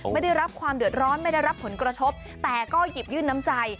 ไม่ได้รับความเดือดร้อนไม่ได้รับผลกระทบแต่ก็หยิบยื่นน้ำใจ